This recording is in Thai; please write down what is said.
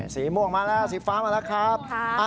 สีม่วงมาแล้วสีฟ้ามาแล้วครับ